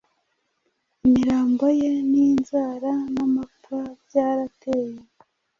Imirambo ye, ninzara n amapfa byarateye